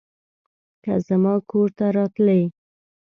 که زما کور ته راتلې